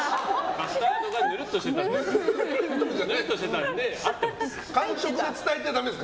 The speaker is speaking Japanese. カスタードがぬるっとしてたので合ってます。